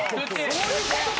そういうことか。